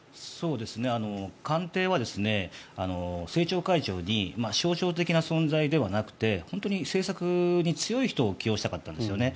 官邸は政調会長に象徴的な存在ではなくて本当に政策に強い人を起用したかったんですよね。